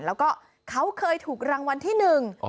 แล้วก็เขาเคยถูกรางวัลที่หนึ่ง